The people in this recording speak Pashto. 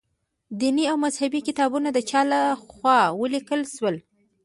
دیني او مذهبي کتابونه د چا له خوا ولیکل شول.